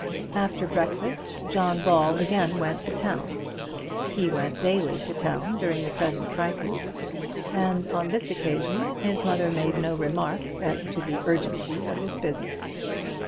After breakfast John Ball again went to town. He went daily to town during the present crisis; and, on this occasion, his mother made no remark as to the urgency of his business.